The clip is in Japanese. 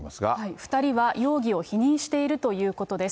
２人は容疑を否認しているということです。